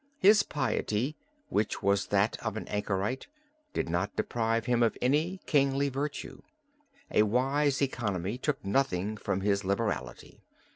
His piety which was that of an anchorite, did not deprive him of any kingly virtue. A wise economy took nothing from his liberality.